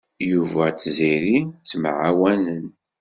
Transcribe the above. Yuba d Tiziri ttemɛawanen.